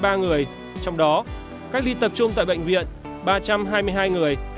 trong đó cách ly tập trung tại bệnh viện ba trăm hai mươi hai người